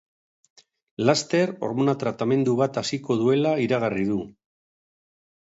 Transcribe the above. Laster, hormona tratamendu bat hasiko duela iragarri du.